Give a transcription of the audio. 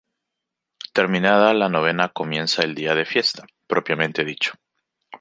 Terminada la novena comienza el día de fiesta, propiamente dicho.